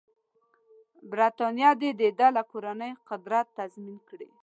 برټانیه دې د ده او کورنۍ قدرت تضمین کړي.